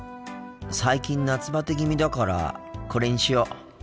最近夏バテ気味だからこれにしよう。